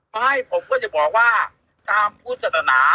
ไม่ผมก็จะบอกว่าตามพุทธศาสนา